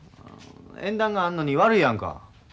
縁談があるのに悪いやんか。